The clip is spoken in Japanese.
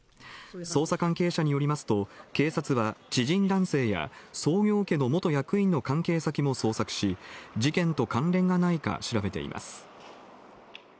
捜査関係者によりますと、警察は知人男性や、創業家の元役員の関係先も捜索し、事件と関連がないか、調べています。